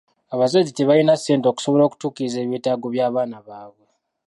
Abazadde tebalina ssente okusobola okutuukiriza ebyetaago by'abaana baabwe.